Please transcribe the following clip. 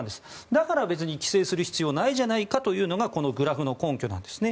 だから別に規制する必要はないじゃないかというのがこのグラフの根拠なんですね。